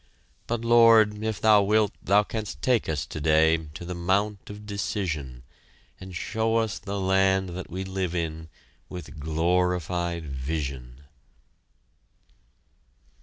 But Lord, if Thou wilt Thou canst take us today To the Mount of Decision And show us the land that we live in With glorified Vision!